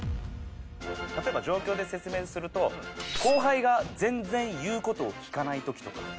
例えば状況で説明すると後輩が全然言う事を聞かない時とか。